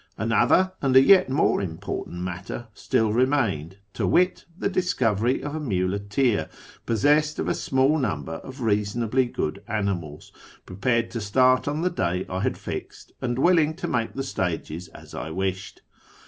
Another and a yet more important matter still remained, to wit, the discovery of a muleteer possessed of a small number of reasonably good animals, prepared to start on the day I had fixed, and willing to make the stages as I wished.